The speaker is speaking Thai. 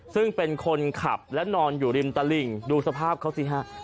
ซึ่งเป็นคนขับและนอนอยู่ริมตลิ่งดูสภาพเขาสิฮะ